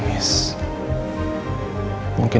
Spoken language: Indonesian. maulu aku cukup sakit